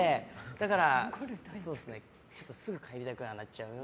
だからすぐ帰りたくなっちゃうので。